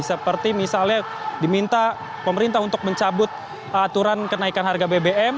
seperti misalnya diminta pemerintah untuk mencabut aturan kenaikan harga bbm